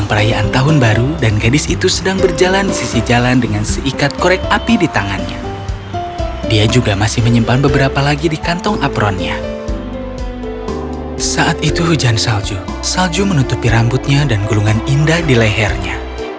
ketika dia berjalan dia melihat banyak korek api rambutnya dan gulungan indah di lehernya